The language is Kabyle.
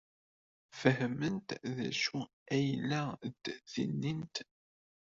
Fehment d acu ay la d-ttinint?